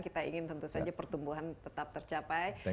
kita ingin tentu saja pertumbuhan tetap tercapai